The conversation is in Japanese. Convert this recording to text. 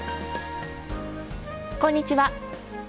こんにちは。